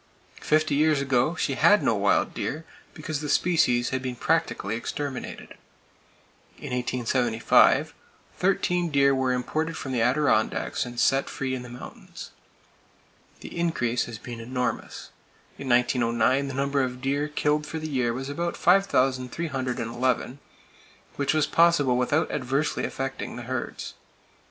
Fifty years ago, she had no wild deer, because the species had been practically exterminated. In 1875, thirteen deer were imported from the Adirondacks and set free in the mountains. The increase has been enormous. In 1909 the number of deer killed for the year was about 5,311, which was possible without adversely affecting the herds.